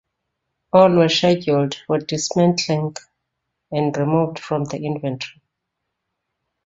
All were scheduled for dismantling and removed from the inventory.